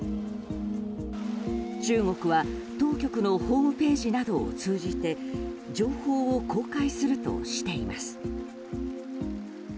中国は当局のホームページなどを通じて情報を公開するとしています。